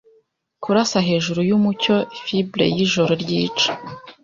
Kurasa hejuru yumucyo Fibre yijoro ryica